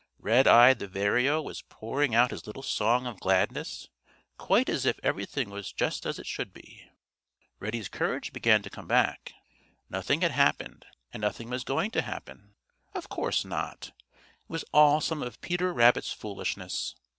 Redeye the Vireo was pouring out his little song of gladness, quite as if everything was just as it should be. Reddy's courage began to come back. Nothing had happened, and nothing was going to happen. Of course not! It was all some of Peter Rabbit's foolishness.